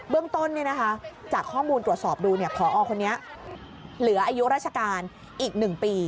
เรื่องต้นจากข้อมูลตรวจสอบดูพอคนนี้เหลืออายุราชการอีก๑ปี